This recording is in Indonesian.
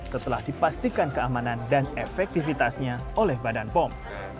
setelah dipastikan keamanan dan efektivitasnya oleh badan pom